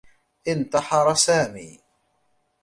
انتحر سامي.